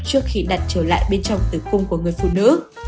trước khi đặt trở lại bên trong tử cung của người phụ nữ